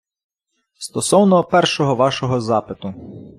Стосовно першого вашого запиту.